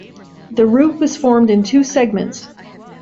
The route was formed in two segments.